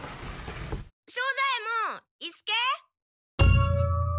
庄左ヱ門伊助？